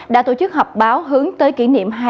đã tổ chức họp báo hướng tới kỷ niệm